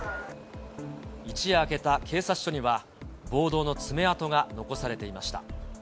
一夜明けた警察署には、暴動の爪痕が残されていました。